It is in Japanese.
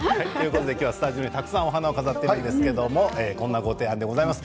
今日はスタジオにたくさんお花を飾っているんですがこんなご提案です。